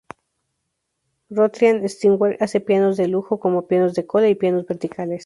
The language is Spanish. Grotrian-Steinweg hace pianos de lujo, como pianos de cola y pianos verticales.